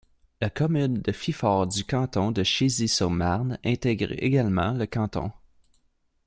La commune de Viffort du canton de Chézy-sur-Marne intègrent également le canton.